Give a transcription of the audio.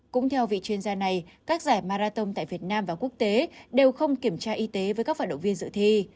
cũng theo vị chuyên gia này các giải marathon tại việt nam và quốc tế đều không kiểm tra y tế với các vận động viên dự thi